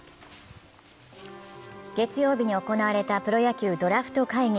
月曜日に行われたプロ野球ドラフト会議。